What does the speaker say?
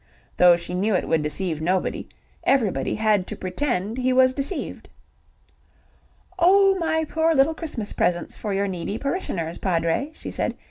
Though she knew it would deceive nobody, everybody had to pretend he was deceived. "Oh, my poor little Christmas presents for your needy parishioners, Padre," she said.